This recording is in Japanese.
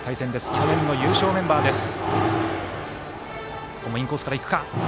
去年の優勝メンバーです。